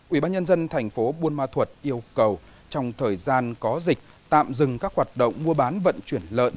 ubnd tp buôn ma thuật yêu cầu trong thời gian có dịch tạm dừng các hoạt động mua bán vận chuyển lợn